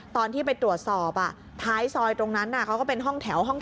ตอนที่ไปตรวจสอบท้ายซอยตรงนั้นเขาก็เป็นห้องแถวห้อง๓